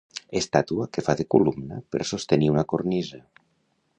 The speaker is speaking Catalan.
Estàtua que fa de columna per sostenir una cornisa.